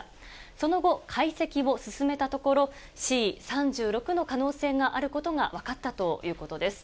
その後、解析を進めたところ、Ｃ．３６の可能性があることが分かったということです。